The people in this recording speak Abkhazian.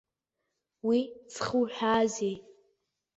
Уи зхуҳәаазеи?